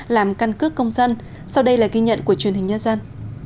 làm căn cước công dân sau đây là ghi nhận của truyền hình nhân dân